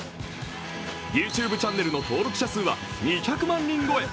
ＹｏｕＴｕｂｅチャンネルの登録者数は２００万人超え。